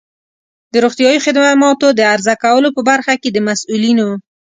د روغتیایی خدماتو د عرضه کولو په برخه کې د مسؤلینو